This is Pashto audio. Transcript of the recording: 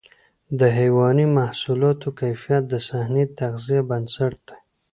د حيواني محصولاتو کیفیت د صحي تغذیې بنسټ دی.